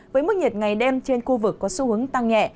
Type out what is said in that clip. với mức nhiệt ngày đêm trên khu vực có xu hướng tăng nhẹ